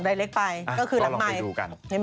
ก็ลองไปดูกัน